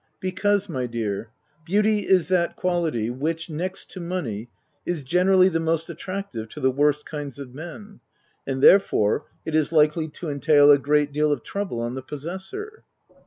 u Because, my dear, beauty is that quality which, next to money, is generally the most attractive to the worst kinds of men ; and, therefore, it is likely to entail a great deal of trouble on the possessor."